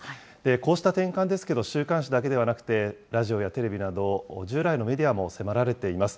こうした転換ですけど、週刊誌だけではなくて、ラジオやテレビなど、従来のメディアも迫られています。